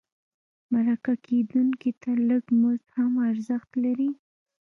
مرکه کېدونکي ته لږ مزد هم ارزښت لري.